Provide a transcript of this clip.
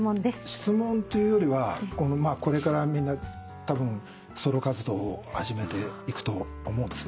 質問というよりはこれからみんなたぶんソロ活動を始めていくと思うんですけどね